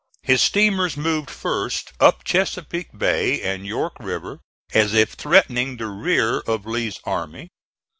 His steamers moved first up Chesapeake Bay and York River as if threatening the rear of Lee's army.